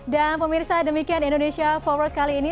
dan pemirsa demikian indonesia forward kali ini